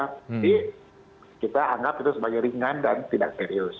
tapi kita anggap itu sebagai ringan dan tidak serius